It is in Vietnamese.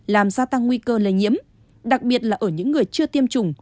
làm gia tăng nguy cơ lây nhiễm đặc biệt là ở những người chưa tiêm chủng